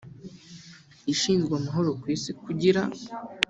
ishinzwe amahoro ku isi kugira